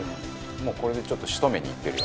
「もうこれでちょっと仕留めにいってるよね」